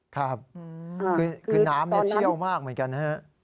ครับคือน้ำเชี่ยวมากเหมือนกันนะฮะ